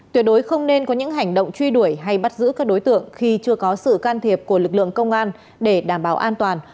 tuyệt đối không nên có những hành động truy đuổi hay bắt giữ các đối tượng khi chưa có sự can thiệp của lực lượng công an để đảm bảo an toàn